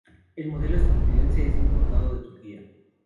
El modelo estadounidense es importado de Turquía.